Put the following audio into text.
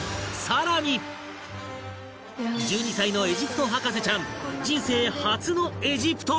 １２歳のエジプト博士ちゃん人生初のエジプトへ